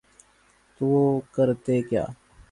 تو کرتے کیا۔